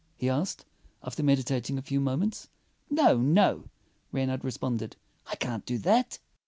he asked, after meditating a few moments. "No, no," Reynard responded. "I can't do that."